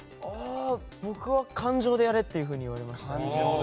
僕は感情でやれと言われました。